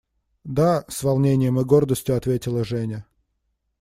– Да! – с волнением и гордостью ответила Женя.